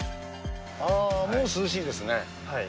あー、もう涼しいですね。